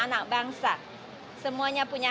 anak bangsa semuanya punya